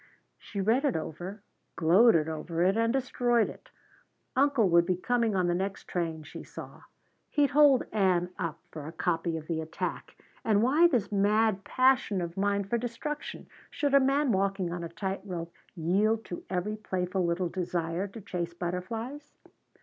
She read it over, gloated over it, and destroyed it. "Uncle would be coming on the next train," she saw. "He'd hold Ann up for a copy of the attack! And why this mad passion of mine for destruction? Should a man walking on a tight rope yield to every playful little desire to chase butterflies?"